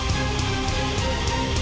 mas ini dia mas